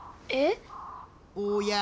おや？